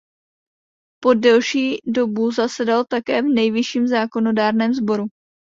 Po delší dobu zasedal také v nejvyšším zákonodárném sboru.